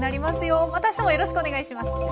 またあしたもよろしくお願いします。